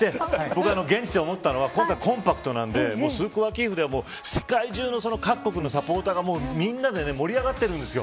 僕、現地で思ったのは今回コンパクトなので世界中の各国のサポーターがみんなで盛り上がってるんです。